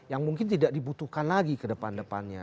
yang mungkin tidak dibutuhkan lagi ke depan depannya